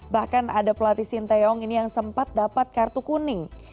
bahkan ada pelatih sinteyong ini yang sempat dapat kartu kuning